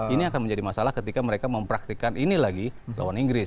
ini akan menjadi masalah ketika mereka mempraktikan ini lagi lawan inggris